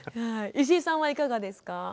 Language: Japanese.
石井さんはいかがですか？